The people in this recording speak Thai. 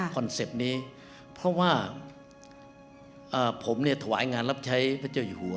เป็ปต์นี้เพราะว่าผมเนี่ยถวายงานรับใช้พระเจ้าอยู่หัว